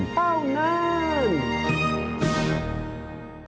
เป้าหน้า